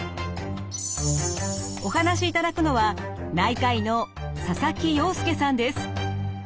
お話しいただくのは内科医の佐々木陽典さんです。